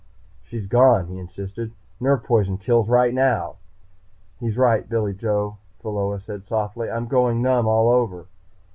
"She's gone," he insisted. "Nerve poison kills right now." "He's right, Billy Joe," Pheola said softly. "I'm going numb all over."